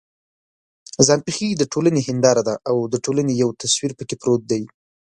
ځان پېښې د ټولنې هنداره ده او د ټولنې یو تصویر پکې پروت دی.